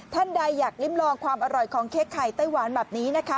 ท่านใดอยากลิ้มลองความอร่อยของเค้กไข่ไต้หวันแบบนี้นะคะ